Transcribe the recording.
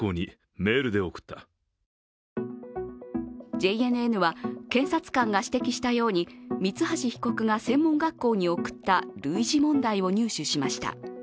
ＪＮＮは、検察官が指摘したように、三橋被告が専門学校に送った類似問題を入手しました。